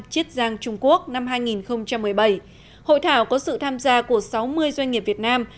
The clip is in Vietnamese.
chiết giang trung quốc năm hai nghìn một mươi bảy hội thảo có sự tham gia của sáu mươi doanh nghiệp việt nam